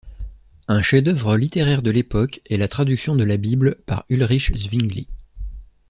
Un chef-d'œuvre littéraire de l'époque est la traduction de la Bible par Ulrich Zwingli.